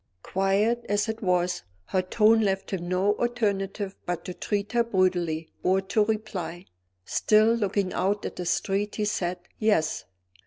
Quiet as it was, her tone left him no alternative but to treat her brutally or to reply. Still looking out at the street, he said "Yes."